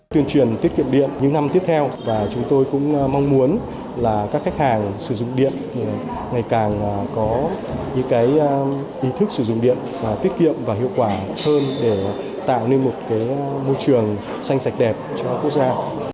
tuyên truyền tiết kiệm điện những năm tiếp theo và chúng tôi cũng mong muốn là các khách hàng sử dụng điện ngày càng có những ý thức sử dụng điện tiết kiệm và hiệu quả hơn để tạo nên một môi trường xanh sạch đẹp cho quốc gia